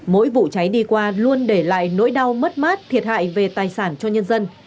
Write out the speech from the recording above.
mỗi vụ cháy đi qua luôn để lại nỗi đau mất mát thiệt hại về tài sản cho nhân dân